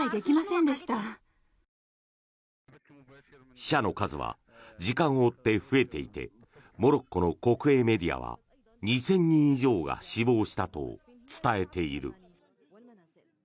死者の数は時間を追って増えていてモロッコの国営メディアは２０００人以上が死亡したと伝えている。